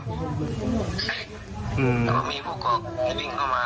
แล้วก็มีพวกเขาวิ่งเข้ามา